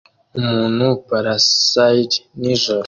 Umuntu parasail nijoro